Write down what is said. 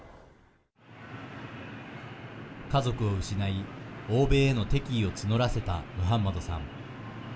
家族を失い欧米への敵意を募らせたムハンマドさん。